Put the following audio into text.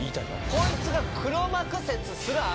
こいつが黒幕説すらあるよね。